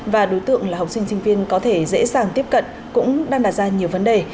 và đối tượng là học sinh sinh viên có thể dễ dàng tiếp cận cũng đang đặt ra nhiều vấn đề